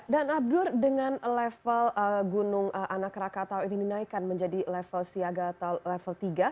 dan abdur dengan level gunung anak rakatao ini menaikkan menjadi level siaga atau level tiga